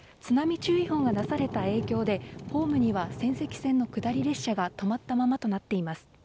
津波注意報が出された影響でホームには仙石線の下り列車が止まったままとなっています。